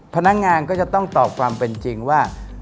พนักงานก็จะต้องตอบความเป็นจริงว่า